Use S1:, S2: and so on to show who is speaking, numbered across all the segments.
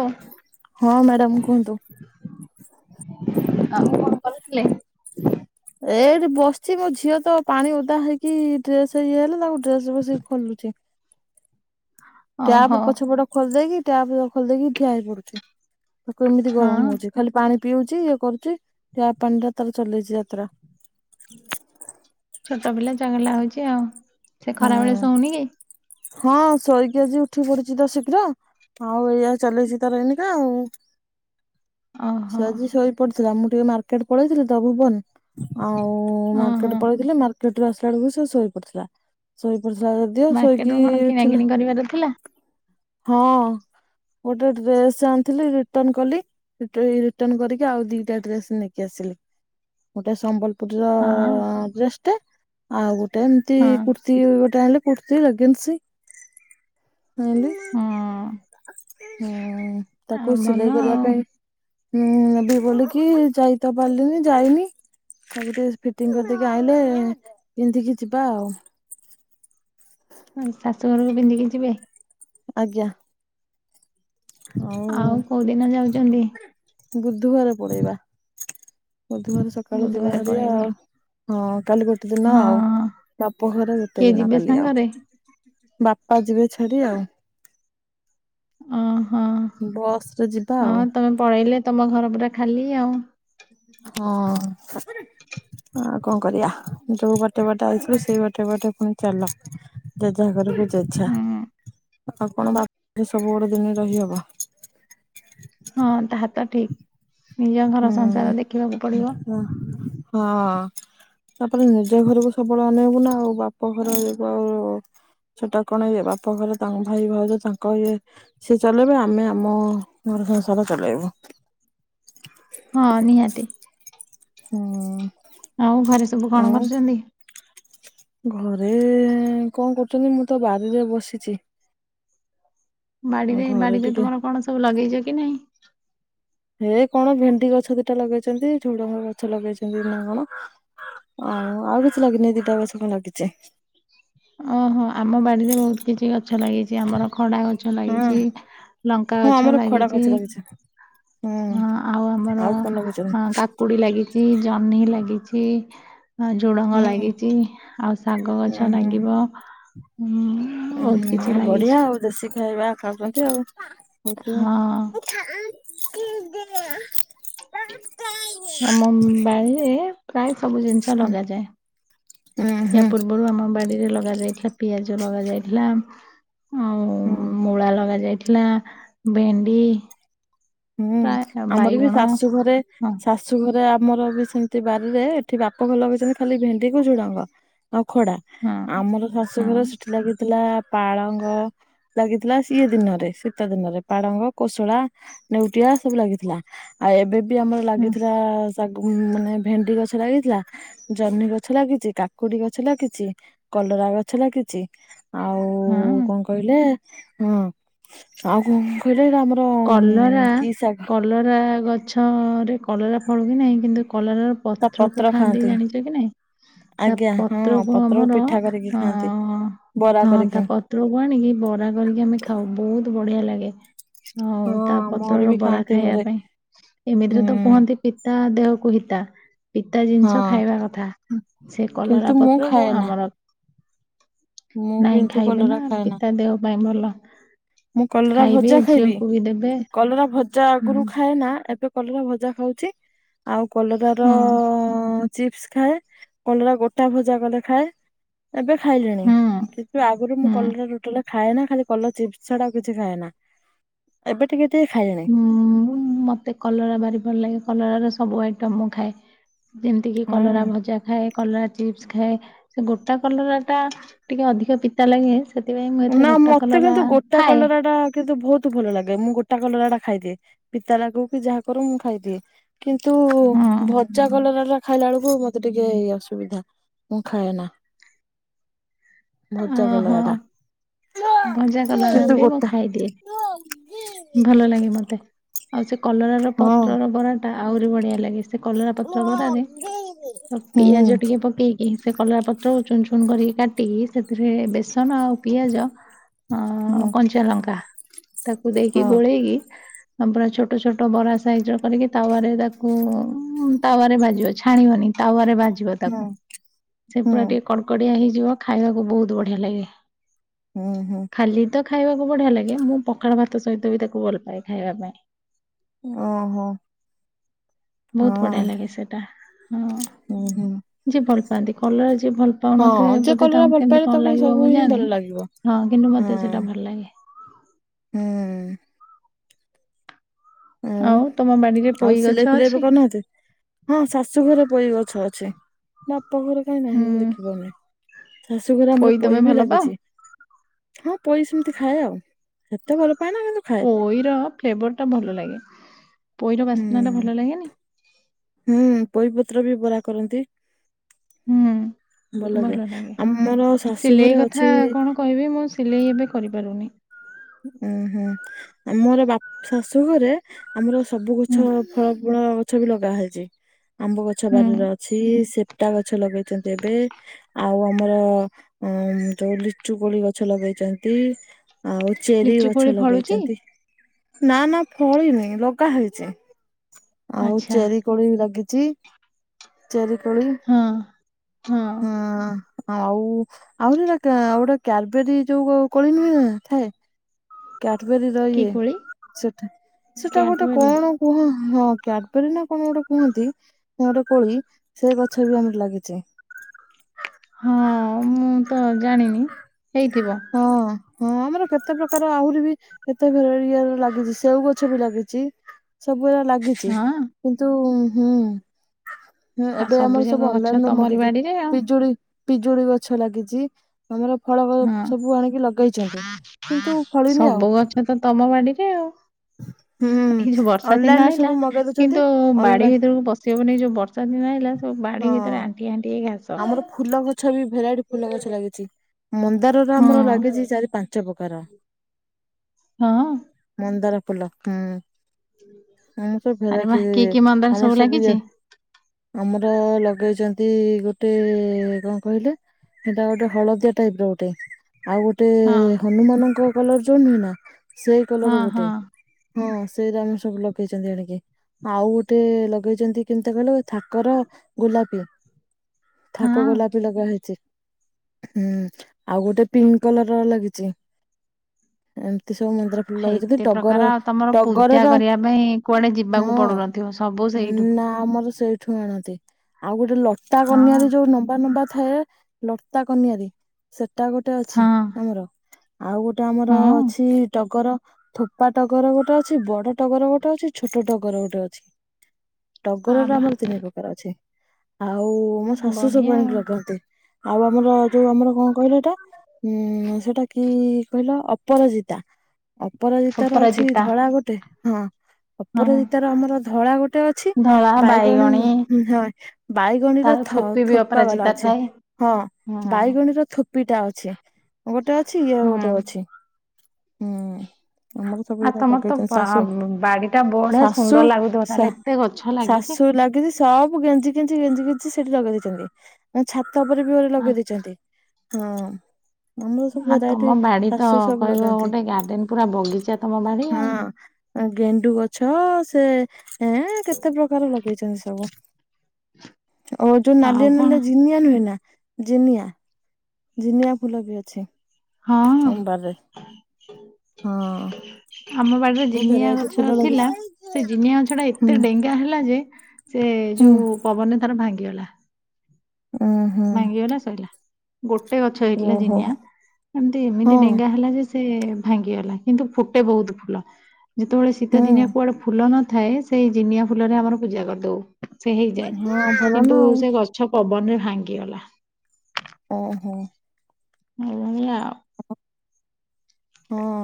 S1: ଓ
S2: ହଁ ମ୍ୟାଡାମ୍ କୁହନ୍ତୁ।
S1: ଆଉ କଣ କରୁଥିଲେ?
S2: ଏଇଠି ବସିଛି ମୋ ଝିଅ ତ ପାଣି ଓଦା ହେଇକି ଡ୍ରେସେ ଇଏ ହେଲେ ତାକୁ ଡ୍ରେସ୍ ବସିକି ଖୋଲୁଛି।
S1: ଓହୋ
S2: ଟ୍ୟାପ ପଛ ପଟ ଖୋଲିଦେଇକି ଟ୍ୟାପ ଖୋଲିଦେଇକି ଠିଆ ହେଇ ପଡୁଛି। ତାକୁ ଏମିତି
S1: ହଁ
S2: ଗରମ ହଉଛି ଖାଲି ପାଣି ପିଉଚି ଇଏ କରୁଛି ଟ୍ୟାପ୍ ପାଣି ଟା ତାର ଚଲେଇଛି ଯାତ୍ରା।
S1: ଛୋଟ ପିଲା ଚଗଲା ହଉଛି ଆଉ ସେ
S2: ହୁଁ।
S1: ଖରା ବଳେ ଶଉନି କି?
S2: ହଁ ଶୋଇକି ଆଜି ଉଠି ପଡୁଛି ତ ଶୀଘ୍ର ଆଉ ଏୟା ଚାଲିଛି ତାର ଏନ୍ତା ଆଉ।
S1: ଓହୋ
S2: ସିଏ ଆଜି ଶୋଇ ପଡିଥିଲା ମୁଁ ଟିକେ ମାର୍କେଟ୍ ପଳେଇଥିଲି ତ ଭୁବନ୍ ଆଉ
S1: ଓହୋ
S2: ମାର୍କେଟ୍ ପଳେଇଥିଲି ମାର୍କେଟୁ ଆସିଲା ବେଳକୁ ସେ ଶୋଇ ପଡିଥିଲା। ଶୋଇ ପଡିଥିଲା ରଦିଅ
S1: ମାର୍କେଟରୁ
S2: ଶୋଇକି
S1: କଣ କିଣା
S2: ଉଠିଲା
S1: କିିଣି କରିବାର ଥିଲା।
S2: ହଁ ଗୋଟେ ଡ୍ରେସ୍ ଆଣ୍ଥିଲି ରିଟନ୍ କଲି ସେଟାବି ରିଟନ୍ କରିକି ଆଉ ଦିଟା ଡ୍ରେସ୍ ନେଇକି ଆସିଲି ଗୋଟେ ସମ୍ବଲପୁରୀର
S1: ହଁ।
S2: ଆଉ ଡେସ୍ ଟେ ଆଉ ଗୋଟେ ଏମ୍ତି
S1: ହଁ
S2: କୁ ତି ଗୋଟେ ଆଁଇଲି କୃତିର କିନ୍ତୁ ସେ ଆଁଇଲି
S1: ହୁଁ
S2: ହୁଁ
S1: ଆଉ
S2: ତାକୁ
S1: ଭଲ
S2: ସିଲେଇ କରିବା
S1: ଆଉ।
S2: ପାଇଁ ହୁଁ ଏ ବି ବୋଲିକି ଯାଇତ ପାର୍ଲିନି ଯାଇନି ତାକୁ ଟିକେ ଆଜି ଫିଟିଙ୍ଗ୍ କରିଦେଇକି ଆଇଲି ପିନ୍ଧିକି ଯିବା ଆଉ।
S1: ହୁଁ ଶାଶୁଘରକୁ ପିନ୍ଧିକି ଯିବେ?
S2: ଆଜ୍ଞା।
S1: ଆଉ କଉ ଦିନ ଯାଉଚନ୍ତି?
S2: ବୁଧୁବାର ପଳେଇବା ବୁଧୁବାର ସକାଳୁ
S1: ବୁଧବାର
S2: ଯିବାହାରି
S1: ପଳେଇବେ
S2: ଆଉ। ହଁ କାଲି ଗୋଟେ ଦିନ
S1: ହଁ
S2: ଆଉ ବାପ ଘରେ
S1: କିଏ
S2: ଗୋଟେ ଦିନ
S1: ଯିବେ
S2: କାଲି ଆଉ।
S1: ସାଙ୍ଗରେ?
S2: ବାପା ଯିବେ ଛାଡି ଆଉ।
S1: ଅହଁ
S2: ବସ୍ ରେ ଯିବା ଆଉ।
S1: ହଁ ତମେ ପଳେଇଲେ ତମ ଘର ପୁରା ଖାଲି ଆଉ।
S2: ହଁ ସ ଆଉ କଣ କରିବା ଯୋଉ ବାଟେ ବାଟେ ଆଇଥିଲ ସେଇ ବାଟେ ବାଟେ ପୁଣି ଚାଲ। ଜେଝା ଘରକୁ ଜେଝା
S1: ହୁଁ
S2: ଆଉ କଣ ବାପ୍ ଠି ସବୁ ଗୋଡେ ଦିନୀ ରହିହବ।
S1: ହଁ, ତାହା ତ ଠିକ୍ ନିଜ ଘର ସଂସାର ଦେଖିବାକୁ ପଡ଼ିବ।
S2: ହୁଁ, ହଁ। ତାପରେ ନିଜେ ଘରକୁ ସବୁବେଳେ ଅନେଇବୁ ନା ଆଉ ବାପ ଘର ଯୋଗୁଁ ଆଉ ଛେଟା କଣ ଇଏ ବାପ ଘରେ ତାଙ୍କ ଭାଇ ଭାଉଜ ତାଙ୍କ ଇଏ ସେ ଚଲେଇବେ ଆମେ ଆମ ଘର ସଂସାର ଚଲେଇବୁ।
S1: ହଁ ନିହାତି।
S2: ହୁଁ।
S1: ଆଉ ଘରେ ସବୁ କଣ
S2: ଆଉ
S1: କରୁଛନ୍ତି?
S2: ଘରେ କଣ କରୁଛନ୍ତି, ମୁଁ ତ ବାରିରେ ବସିଛି। ଆଉ
S1: ବାଡିରେ,
S2: ଘରେ
S1: ବାଡିରେ
S2: ଟିକେ
S1: ତୁମର କଣ ସବୁ ଲଗେଇଛ କି ନାଇଁ?
S2: ଏ କଣ ଭେଣ୍ଡି ଗଛ ଦିଟା ଲଗେଇଛନ୍ତି, ଝୁଡଙ୍ଗ ଗଛ ଲଗେଇଛନ୍ତି ନା କଣ। ଆଉ ଆଉ କିଛି ଲାଗିନି ଏ ଦିଟା ଗଛ ଲାଗିଛି।
S1: ଓହୋ, ଆମ ବାଡ଼ିରେ ବହୁତ କିଛି ଗଛ ଲାଗିଛି ଆମର ଖଡା ଗଛ
S2: ହୁଁ
S1: ଲାଗିଛି ଲଙ୍କା
S2: ହଁ
S1: ଗଛ
S2: ଆମର ଖଡା
S1: ଲାଗିଛି,
S2: ଗଛ ହୁଁ
S1: ଅ ଆଉ ଆମର
S2: କଣ ଲଗେଇଛନ୍ତି
S1: କା କୁଡି ଲାଗିଛି, ଜହ୍ନି ଲାଗିଛି। ଝୁଡ଼ଙ୍ଗ
S2: ହୁଁ
S1: ଲାଗିଛି, ଆଉ ଶାଗ
S2: ଉଁ
S1: ଗଛ ଲାଗିବ, ଉନ୍
S2: ଉନ୍ ହୁଁ ବଢ଼ିଆ ଆଉ ଦେଶୀ ଖାଇବା ଖାଉଛନ୍ତି ଆଉ
S1: ହଁ।
S2: [unintelligible] [unintelligible]
S1: ଆମ ବାଡ଼ିରେ ପ୍ରାୟ ସବୁ ଜିନିଷ ଲଗାଯାଏ। ୟା
S2: ହୁଁ
S1: ପୂ ବରୁ ଆମ ବାଡ଼ିରେ ଲଗା ଯାଇଥିଲା ପିଆଜ ଲଗା ଯାଇଥିଲା ଆଉ
S2: ହୁଁ।
S1: ମୂଳା ଲଗା ଯାଇଥିଲା, ଭେଣ୍ଡି
S2: ହୁଁ,
S1: ପ୍ରାୟ
S2: ଆମର ବି
S1: ବାଇଗଣ
S2: ଶାଶୁ ଘରେ ଶା
S1: ହଁ
S2: ଶାଶୁ ଘରେ ଆମର ବି ସେମିତି ବାରିରେ ଏଠି ବାପ ଘର ଲଗେଇଛନ୍ତି ଖାଲି ଭେଣ୍ଡି କୁ ଝୁଡ଼ଙ୍ଗ, ଆଉ ଖଡା,
S1: ହଁ
S2: ଆମର ଶାଶୁଘର
S1: ହଁ
S2: ସେଠି ଲାଗିଥିଲା ପାଳଙ୍ଗ ଲାଗିଥିଲା ସିଏ ଦିନରେ ଶୀତ ଦିନରେ ପାଳଙ୍ଗ, କୋଶଲା ନେଉଟିଆ ସବୁ ଲାଗିଥିଲା ଆଉ ଏବେ ବି ଆମର ଲାଗିଥିଲା ତା ମାନେ ଭେଣ୍ଡି ଗଛ ଲାଗିଥିଲା ଜହ୍ନି ଗଛ ଲାଗିଛି, କାକୁଡି ଗଛ ଲାଗିଛି, କଲରା ଗଛ ଲାଗିଛି, ଆଉ
S1: ହଁ
S2: କଣ କହିଲେ ହଁ ଆଉ କଣ କହିଲେ ଏରା ଆମର
S1: କଲରା
S2: ଉଁ କି
S1: କ
S2: ଶାଗ
S1: କଲରା ଗଛରେ କଲରା ଫଳୁ କି ନାହିଁ କିନ୍ତୁ କଲରାର ପତ୍ର କୁ ଖାଆନ୍ତି ଜାଣିଛ କି ନାଇଁ? ତା
S2: ଆଜ୍ଞା ହଁ
S1: ପତ୍ରକୁ ଆମର
S2: ପିଠା କରିକି ଖାଆନ୍ତି ବରା
S1: ଅ ହଁ
S2: କରିକି।
S1: ତା ପ ତ୍ରକୁ ଆଣିକି ବରା କରିକି ଆମେ ଖାଉ ବହୁତ ବଢ଼ିଆ ଲାଗେ। ହଉ
S2: ହଁ
S1: ତା
S2: ଆମର
S1: ପତ୍ରର
S2: ବି
S1: ବରା
S2: ଖାଆନ୍ତି
S1: ଖାଇବା
S2: ଘରେ
S1: ପାଇଁ
S2: ହୁଁ
S1: ଏମିତିରେ ତ କୁହନ୍ତି ଟି ତା ଦେହକୁ ହିତା ପିତା ଜିନିଷ
S2: ହଁ
S1: ଖାଇବା କଥା ସେ
S2: କିନ୍ତୁ
S1: କଲରା
S2: ମୁଁ
S1: ପତ୍ରକୁ
S2: ଖାଏ ନା।
S1: ଆମର
S2: ମୁଁ
S1: ନାଇଁ
S2: କିନ୍ତୁ
S1: ଖାଇବେ
S2: କଲରା
S1: ନା
S2: ଖାଏ
S1: ପିତା ଦେହ ପାଇଁ ଭଲ।
S2: ମୁଁ କଲରା
S1: ଖାଇବେ
S2: ଭଜା ଖାଇବି,
S1: ଝିଅକୁ ବି ଦେବେ
S2: କଲରା ଭଜା
S1: ହୁଁ
S2: ଆଗରୁ ଖାଏ ନା ଏବେ କଲରା ଭଜା ଖାଉଛି। ଆଉ କଲରା ର
S1: ହୁଁ
S2: ଚିପ୍ସ ଖାଏ, କଲରା ଗୋଟା ଭଜା କଲେ ଖାଏ। ଏବେ ଖାଇଲିଣି,
S1: ହୁଁ
S2: କିନ୍ତୁ ଆଗରୁ ମୁଁ
S1: ହୁଁ
S2: କଲରା ରୋଟାଟା ଖାଏନା ଖାଲି କଲରା ଚିପ୍ସ ସେଡା କିଛି ଖାଏନା, ଏବେ ଟିକେ ଟିକେ ଖାଏ
S1: ଉନ୍ ମୋତେ କଲରା ଭାରି ଭଲ ଲାଗେ କଲରା ର ସବୁ ଆଇଟମ୍ ମୁଁ ଖାଏ। ଯେମିତି କିି
S2: ହୁଁ
S1: କଲରା ଭଜା ଖାଏ। କଲରା ଚିପ୍ସ ଖାଏ, ସେ ଗୋଟା କଲରା ଟା ଟିକେ ଅଧିକ ପିତା ଲାଗେ। ସେଥିପାଇଁ ମୁଁ ଏତେ
S2: ନା
S1: ଗୋଟା
S2: ମତେ
S1: କଲରା
S2: କିନ୍ତୁ ଗୋଟା
S1: ଖାଏ
S2: କଲର ଟା କିନ୍ତୁ ବହୁତ ଭଲ ଲାଗେ। ମୁଁ ଗୋଟା କଲରା ଟା ଖାଇଦିଏ। ପିତା ଲାଗୁ କି ଯାହା କରୁ ମୁଁ ଖାଇଦିଏ। କିନ୍ତୁ
S1: ହଁ
S2: ଭଜା କଲରା ଟା ଖାଇଲା ବେଳକୁ ମତେ ଟିକେ ଅସୁବିଧା ମୁଁ ଖାଏ ନା। ଭଜା
S1: ଓହୋ
S2: କଲରା ଟା।
S1: ଭଜା କଲରା
S2: କିନ୍ତୁ
S1: ବି ମୁଁ
S2: ଗୋଟା
S1: ଖାଇ ଦିଏ। ଭଲ ଲାଗେ ମତେ। ଆଉ ସେ କଲର ର
S2: ହଁ
S1: ପତ୍ରର ବରା ଟା ଆହୁରି ବଢିଆ ଲାଗେ ସେ। ସେ କଲରା ପତ୍ର ଭରାରେ ଆଉ
S2: ହୁଁ
S1: ପିଆଜ ଟିକେ ପକେଇକି ସେ କଲରା ପତ୍ର ଚୁନ ଚୁନ କରିକି କାଟିକି ସେଥିରେ ବେସନ ଆଉ ପିଆଜ ଅ
S2: ହୁଁ
S1: କଞ୍ଚା ଲଙ୍କା ତାକୁ ଦେଇକି
S2: ହଁ
S1: ଗୋଳେଇକି ତାକୁ ପୁରା ଛୋଟ ଛୋଟ ବରା ସାଇଜ ର କରିକି ତାୱାରେ ତାକୁ ତାୱାରେ ଭାଜିବ ଛାଣିବନି। ତାୱରେ ଭାଜିବ
S2: ହୁଁ
S1: ତାକୁ, ସେ
S2: ହୁଁ
S1: ପୁରା ଟିକେ କଡ଼କଡିଆ ହେଇଯିବ ଖାଇବାକୁ ବହୁତ ବଢିଆ ଲାଗେ।
S2: ହୁଁ ହୁଁ।
S1: ଖାଲି ତ ଖାଇବାକୁ ବଢିଆ ଲାଗେ, ମୁଁ ପଖାଳ ଭାତ ସହିତ ବି ତାକୁ ଭଲପାଏ ଖାଇବା ପାଇଁ।
S2: ଓହୋଃ।
S1: ବହୁତ ବଢିଆ ଲାଗେ ସେଟା। ହଁ।
S2: ହୁଁ ହୁଁ
S1: ଯିଏ ଭଲ ପାଆନ୍ତି। କଲରା ଯିଏ ଭଲ ପାଉନଥିବେ
S2: ହଁ ଯେ
S1: ବୋଧେ
S2: କଲରା
S1: ତାଙ୍କୁ
S2: ଭଲ
S1: କେମିତି
S2: ପାଇଲେ
S1: କଣ
S2: ତାକୁ
S1: ଲାଗିବ
S2: ସବୁ
S1: ମୁଁ
S2: ହିଁ ଭଲ
S1: ଜାଣିନି।
S2: ଲାଗିବ।
S1: ହଁ କିନ୍ତୁ
S2: ହଁ
S1: ମତେ ସେଇଟା ଭଲ ଲାଗେ।
S2: ହୁଁ। ଆଉ,
S1: ତମ ବାଡିରେ
S2: ଆଉ
S1: ପୋଇ ଗଛ
S2: ସିଲେଇ-ଫିଲେଇ ଏବେ
S1: ଅଛି?
S2: କରୁ ନାହାନ୍ତି? [inaudible] କାଇଁ ନାହିଁ ମୁଁ
S1: ହୁଁ
S2: ଦେଖି ପାରୁନି। ଶାଶୁଘରେ ଆମର
S1: ତମେ
S2: ପୋଇ ବି
S1: ଭଲ ପାଅ?
S2: ଲାଗିଛି। ହଁ ପୋଇ ସେମିତି ଖାଏ ଆଉ। ସେତେ ଭଲ ପାଏନା କିନ୍ତୁ ଖାଏ
S1: ପୋଇର ଫ୍ଲେଭର ଟା ଭଲ ଲାଗେ। ପୋଇର ବାସ୍ନା ଟା
S2: ହୁଁ
S1: ଭଲ ଲାଗେନି?
S2: ହୁଁ, ପୋଇପତ୍ର ବି ବରା କରନ୍ତି।
S1: ହୁଁ
S2: ଭଲ ଲାଗେ। ଆମର ଶାଶୁ
S1: ସିଲେଇ
S2: ଘରେ
S1: କଥା
S2: ଅଛି
S1: କଣ କହିବି ମୁଁ ସିଲେଇ ଏବେ କରିପାରୁନି।
S2: ଓଃ ହୁଁ, ଆମର ବାପ ଶାଶୁ ଘରେ ଆମର ସବୁ
S1: ହୁଁ
S2: ଗଛ ଫଳ ଗଛ ବି ଲଗା ହେଇଛି। ଆମ୍ବ ଗଛ
S1: ହୁଁ
S2: ବାରିରେ ଅଛି, ସେପଟା ଗଛ ଲଗେଇଛନ୍ତି ଏବେ। ଆଉ ଆମର ଉଁ ଯୋଉ ଲିଚୁ କୋଳି ଗଛ ଲଗେଇଚନ୍ତି ଆଉ ଚେରି
S1: ଲିଚୁ
S2: ଗଛ
S1: କୋଳି ଫଳୁଛି
S2: ଲଗେଇଚନ୍ତି। ନା ନା ଫଳିନି ଲଗା ହେଇଛି। ଆଉ
S1: ଆଚ୍ଛା
S2: ଚେରି କୋଳି ବି ଲାଗିଚି। ଚେରି କୋଳି ହୁଁ,
S1: ହଁ ହଁ
S2: ଆଉ ଆହୁରି ରକା ଆଉ ଗୋଟେ କ୍ୟାଡବେରୀ ଯୋଉ କୋଳି ନୁହେଁ ଥାଏ। କ୍ୟାଡବେରୀ ର
S1: କି
S2: ଇଏ,
S1: କୋଳି
S2: ସେଟା ସେଟା ଗୋଟେ
S1: କ୍ୟାଡବରି
S2: କଣ କୁହ ହଁ କ୍ୟାଡବେରୀ ନା କଣ ଗୋଟେ କୁହନ୍ତି ସେ ଗୋଟେ କୋଳି ସେ ଗଛ ବି ଆମର ଲାଗିଚି।
S1: ହଁ ମୁଁ ତ ଜାଣିନି ହେଇଥିବ।
S2: ହଁ ହଁ, ଆମର କେତେ ପ୍ରକାର ଆହୁରି ବି କେତେ ଭେରା ଇଏର ଲାଗିଛି ସେଉ ଗଛ ବି ଲାଗିଛି। ସବୁ ଗୁରା ଲାଗିଛି।
S1: ହଁ
S2: କିନ୍ତୁ ହୁଁ ହୁଁ,
S1: ଆଉ
S2: ଏବେ ଆମର ସବୁ
S1: ଯାକ ଗଛ
S2: ଅନଲାଇନ୍ ରୁ
S1: ତମରି
S2: ମଗେଇକି
S1: ବାଡିରେ ଆଉ
S2: ପିଜୁଳି-ପିଜୁଳି ଗଛ ଲାଗିଚି। ଆମର ଫଳ
S1: ହଁ।
S2: ସବୁ ଆଣିକି ଲଗେଇଛନ୍ତି କିନ୍ତୁ ଫଳିନି ଆଉ
S1: ଏ ତ ତମ ବାଡିରେ ଆଉ
S2: ହୁଁ
S1: ଏଇ ଯୋଉ ବର୍ଷା ଦିନ
S2: ଅନଲାଇନ ରୁ
S1: ଆଇଲା
S2: ସବୁ ମଗେଇ ଦଉଛନ୍ତି
S1: କିନ୍ତୁ ବାଡି
S2: ଅନଲାଇନ
S1: ଭିତରକୁ ପସ ପସିହଉନି ଏ ଯୋଉ ବର୍ଷା ଦିନ ଆଇଲା ସବୁ ବାଡ଼ି ଭିତରେ
S2: ହଁ।
S1: ଆଣ୍ଠିଏ ଆଣ୍ଠିଏ ଘାସ
S2: ଆମର ଫୁଲ ଗଛ ବି ଭେରାଇଟି ଫୁଲ ଗଛ ଲାଗିଛି। ମନ୍ଦାରର
S1: ହଁ
S2: ଆମର ଲାଗିଚି ଚାରି ପାଞ୍ଚ ପ୍ରକାର।
S1: ହଁ।
S2: ମନ୍ଦାର ଫୁଲ ହୁଁ। ଆମର ସବୁ
S1: ଆରେ ବା
S2: ଭେରାଇଟି
S1: କି
S2: ଇ
S1: କି ମନ୍ଦାର
S2: ଆମର ସବୁ ଇଏ
S1: ଲାଗିଛି
S2: ଆମର ଫୁଲ ଲଗେଇଛନ୍ତି ଗୋଟେ କଣ କହିଲେ? ସେଟା ଗୋଟେ ହଳଦିଆ ଟାଇପର ଗୋଟେ ଆଉ ଗୋଟେ
S1: ହଁ
S2: ହନୁମାନଙ୍କ କଲର ଯୋଉ ନୁହେଁ ନା ସେଇ
S1: ହଁ
S2: କଲର
S1: ହଁ
S2: ଗୋଟେ ହଁ ସେଇରା ଆମର ସବୁ ଲଗେଇଚନ୍ତି ଆଣିକି ଆଉ ଗୋଟେ ଲଗେଇଛନ୍ତି କେମିତିଆ କହିଲ ଥାକର ଗୋଲାପି
S1: ହଁ।
S2: ଥାକ ଗୋଲାପି ଲଗା ହେଇଛି। ହୁଁ ଆଉ ଗୋଟେ ପିଙ୍କ୍ କଲର ର ଲାଗିଚି। ଏମିତି ସବୁ ମନ୍ଦାର ଫୁଲ
S1: ଆଉ
S2: ଲଗେଇଛନ୍ତି
S1: ଏତେ ପ୍ରକାର
S2: ଟଗର
S1: ଆଉ ତମର ପୂଜା
S2: ଟଗରର
S1: କରିବା ପାଇଁ କୁଆଡେ ଯିବାକୁ
S2: ହଁ।
S1: ପଡୁନଥିବ ସବୁ ସେଇଠୁ।
S2: ଉଁ ନା ଆମର ସେଇ ଠୁ ଆଣନ୍ତି ଆଉ ଗୋଟେ ଲଟା କନିଆରୀ
S1: ହଁ
S2: ଯୋଉ ନମ୍ବା ନମ୍ବା ଥାଏ। ଲତା କନିଆରୀ ସେଟା ଗୋଟେ
S1: ହଁ
S2: ଅଛି ଆମର ଆଉ ଗୋଟେ ଆମର
S1: ହଁ
S2: ଅଛି ଟଗର ଥୋ ଥୋପା ଟଗର ଗୋଟେ ଅଛି, ବଡ ଟଗର ଗୋଟେ ଅଛି, ଛୋଟ ଟଗର ଗୋଟେ ଅଛି।
S1: ଆ
S2: ଟଗର ର
S1: ବା
S2: ଆମର ତିନି ପ୍ରକାର ଅଛି। ଆଉ ମୋ ଶାଶୁ
S1: ବଢିଆ
S2: ସବୁ
S1: ଆଉ
S2: ଆଣିକି ଲଗାନ୍ତି ଆଉ ଆମର ଯୋଉ ଆମର କଣ କହିଲୁ ଏଟା ଉଁ ସେଟା କି କହିଲ ଅପରାଜିତା। ଅପରାଜିିତ ର ଅଛି
S1: ଅପରାଜିତା
S2: ଧଳା ଗୋଟେ ହଁ
S1: ହଁ
S2: ଅପରାଜିିତାର ଆମର ଧଳା ଗୋଟେ ଅଛି ବାଇଗଣୀ ହୁଁ ହଁ ବାଇଗଣୀର
S1: ତାର
S2: ଥ
S1: ଥୋପି ବି
S2: ଥୋପା ବାଲା
S1: ଅପରାଜିତା
S2: ଅଛି
S1: ଥାଏ।
S2: ହଁ
S1: ହୁଁ
S2: ବାଇଗଣୀର ଥୋପିଟା ଅଛି। ଗୋଟେ ଅଛି ଇଏ ଆଉ ଗୋଟେ ଅଛି ହୁଁ ଆମର ସବୁ
S1: ଆଉ
S2: ଏଇରା
S1: ତମର ତ
S2: ଲଗେଇଛନ୍ତି
S1: ବା
S2: ଶାଶୁ
S1: ବାଡି ଟା ବଢିଆ
S2: ଶାଶୁ
S1: ସୁନ୍ଦର ଲାଗୁଥିବ
S2: ଶା
S1: ତାହେଲେ ଏତ ଏତେ ଗଛ ଲାଗିଚି।
S2: ଶାଶୁ ଲାଗିଛି ସବୁ ଗେଞ୍ଜି ଗେଞ୍ଜି ଗେଞ୍ଜି ଗେଞ୍ଜି ସେଠି ଲଗେଇ ଦେଇେଛନ୍ତି ଛାତ ଉପରେ ବି ଗୁରେ ଲଗେଇ ଦେଇଛନ୍ତି। ହଁ। ଆମର ସବୁ
S1: ଆ
S2: ଭେରାଇଟି
S1: ତମ ବାଡି ତ
S2: ଶାଶୁ ସବୁ
S1: କହିବ
S2: ଲଗାନ୍ତି
S1: ଗୋଟେ ଗାର୍ଡେନ ପୁରା ବଗିଚା ତମ ବାଡି ଆଉ।
S2: ହଁ। ଗେଣ୍ଡୁ ଗଛ ସେ ଏଁ କେତେ ପ୍ରକାର ଲଗେଇଛନ୍ତି ସବୁ ଓ ଯୋଉ
S1: ଆଉ
S2: ନାଲିଆ
S1: କଣ
S2: ନାଲିଆ ଜିନିଆ ନୁହେ ନା ଜିନିଆ ଜିନିଆ ଫୁଲ ବି ଅଛି
S1: ହଁ
S2: ଆମ ବାରିରେ ଅଁ
S1: ଆମ ବାଡିରେ ଜିନିଆ ଗଛ ଥିଲା ସେ ଜିନିଆ ଗଛ ଟା
S2: ହୁଁ
S1: ଏତେ ଡେଙ୍ଗ ଡେଙ୍ଗା ହେଲା ଯେ ସେ
S2: ହୁଁ
S1: ଯୋଉ ପବନ ତାର ଭାଙ୍ଗିଗଲା।
S2: ଉଁ ହୁଁ
S1: ଭାଙ୍ଗିଗଲା ସୋଇଲା ଗୋଟେ ଗଛ ହେଇଥିଲା
S2: ଓହୋ
S1: ଜିନିଆ ଏମତି ଏମିତି
S2: ହଁ
S1: ଡେଙ୍ଗା ହେଲା ଯେ ସେ ଭାଙ୍ଗିଗଲା କିନ୍ତୁ ଫୁଟେ ବହୁତ ଫୁଲ ଯେତେବେଳେ ଶୀତ
S2: ହୁଁ।
S1: ଦିନିଆ କୁଆଡେ ଫୁଲ ନଥାଏ। ସେଇ ଜିନିଆ ଫୁଲରେ ଆମର ପୂଜା କରିଦଉ ସେ ହେଇଯାଏ
S2: ହଁ ଭଲ
S1: କିନ୍ତୁ
S2: ନା
S1: ସେ ଗଛ ଗଛ ପବନରେ ଭାଙ୍ଗିଗଲା।
S2: ଓହୋ।
S1: ହିଲ [unintelligible]
S2: ହଁ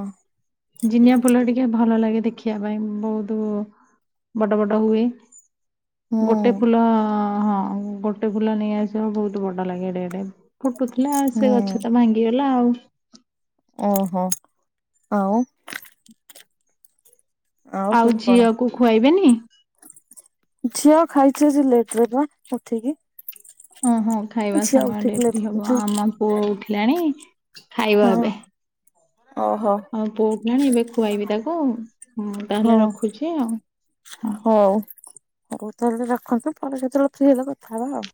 S1: ଜିନିଆ ଫୁଲ ଟିକେ ଭଲ ଲାଗେ ଦେଖିବା ପାଇଁ ବହୁତ ବଡ ବଡ ହୁଏ
S2: ହୁଁ
S1: ଗୋଟେ ଫୁଲ ହଁ ଗୋ ଗୋଟେ ଫୁଲ ନେଇଆସିବ ବହୁତ ବଡ ଲାଗେ ଏଡେଡେ ଫୁଟୁଥିଲା ସେ
S2: ହୁଁ
S1: ଗଛ ତ ଭାଙ୍ଗିଗଲା ଆଉ
S2: ଓହୋ ଆଉ
S1: ଆଉ
S2: ସବୁ କଣ
S1: ଝିଅକୁ ଖୁଆଇବେନି
S2: ଝିଅ ଖାଇଛ ଲେଟ ରେ ଉଠିକି
S1: ଓହୋ ଖାଇବା
S2: ଝିଅ
S1: ସମୟ
S2: ଉଠିକି ଲେଟ
S1: ଡେରି
S2: ରେ
S1: ହବ
S2: ଖାଇଛି।
S1: ଆମ ପୁଅ ଉଠିଲାଣି ଖାଇବ
S2: ହଁ
S1: ଏବେ
S2: ଓହୋ
S1: ଆଉ ପଉଠିଲାଣି ଏବେ ଖୁଆଇବି ତାକୁ ହ ତାହେଲେ
S2: ହଁ
S1: ରଖୁଛି ଆଉ ହ
S2: ହଉ ହଉ ତାହେଲେ ରଖନ୍ତୁ ପରେ ସେତେବେଳେ ଫ ହେଲେ କଥା ହବା ଆଉ